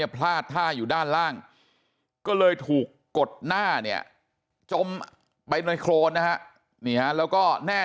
พลาดท่าอยู่ด้านล่างก็เลยถูกกดหน้าเนี่ยจมไปในโครนนะฮะแล้วก็แน่